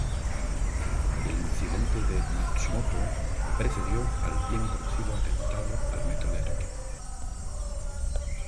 El incidente de Matsumoto precedió al bien conocido atentado al Metro de Tokio.